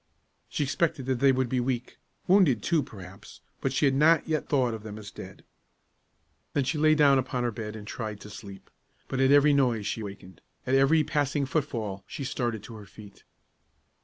She expected that they would be weak, wounded, too, perhaps; but she had not yet thought of them as dead. Then she lay down upon her bed and tried to sleep; but at every noise she wakened; at every passing foot fall she started to her feet.